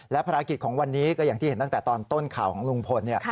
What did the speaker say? ภารกิจของวันนี้ก็อย่างที่เห็นตั้งแต่ตอนต้นข่าวของลุงพล